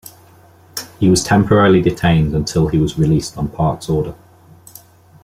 He was temporarily detained until he was released on Park's order.